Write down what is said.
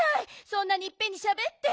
そんなにいっぺんにしゃべって。